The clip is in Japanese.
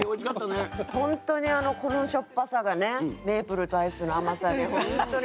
本当にこのしょっぱさがメイプルとアイスが本当に。